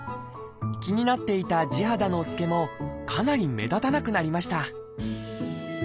気になっていた地肌の透けもかなり目立たなくなりました。